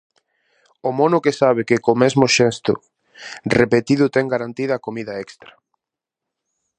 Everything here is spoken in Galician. O mono que sabe que co mesmo xesto repetido ten garantida a comida extra?